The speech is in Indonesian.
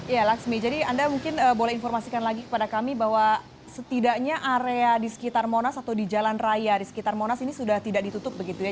ya laksmi jadi anda mungkin boleh informasikan lagi kepada kami bahwa setidaknya area di sekitar monas atau di jalan raya di sekitar monas ini sudah tidak ditutup begitu ya